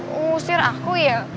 ngusir aku ya